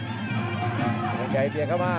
แพทย์น้ำชัยเบียงเข้ามา